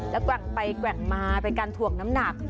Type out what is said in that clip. แล้วแกว่งไปแกว่งมาเป็นการถ่วงน้ำหนัก